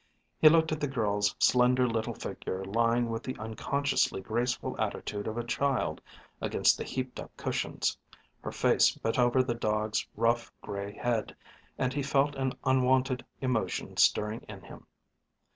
He looked at the girl's slender little figure lying with the unconsciously graceful attitude of a child against the heaped up cushions, her face bent over the dog's rough, grey head, and he felt an unwonted emotion stirring in him.